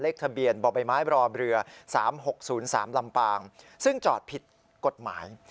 ทะเบียนบ่อใบไม้บรอเรือ๓๖๐๓ลำปางซึ่งจอดผิดกฎหมาย